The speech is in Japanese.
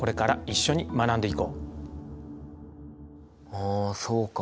ああそうか。